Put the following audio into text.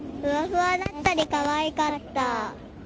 ふわふわだったり、かわいかった。